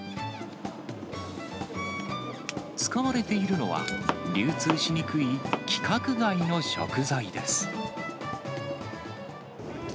使われているのは、流通しにくい規格外の食材です。